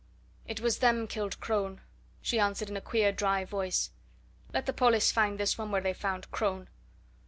"It was them killed Crone," she answered in a queer dry voice. "Let the pollis find this one where they found Crone!